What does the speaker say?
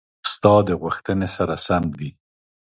ستا د غوښتنې سره سم دي: